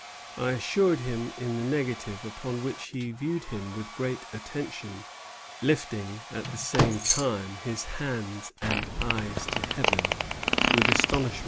I assured him in the negative; upon which he viewed him with great attention, lifting at the same time his hands and eyes to heaven with astonishment and fervency."